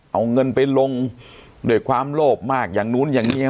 เอาเงินไปลงด้วยความโลภมากอย่างนู้นอย่างนี้